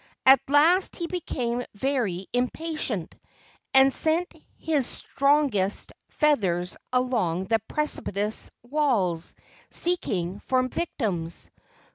At last he became very impatient, and sent his strongest feathers along the precipitous walls, seeking for victims.